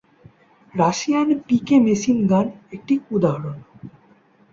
Russian PK machine gun একটি উদাহরণ।